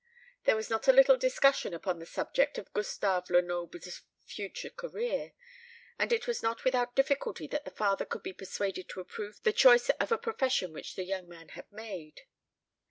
There was not a little discussion upon the subject of Gustave Lenoble's future career; and it was not without difficulty that the father could be persuaded to approve the choice of a profession which the young man had made.